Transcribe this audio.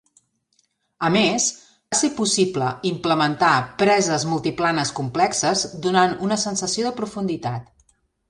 A més, va ser possible implementar preses multiplanes complexes donant una sensació de profunditat.